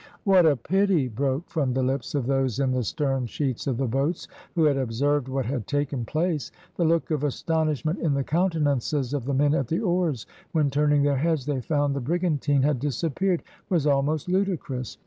"What a pity!" broke from the lips of those in the stern sheets of the boats, who had observed what had taken place; the look of astonishment in the countenances of the men at the oars, when, turning their heads, they found the brigantine had disappeared, was almost ludicrous.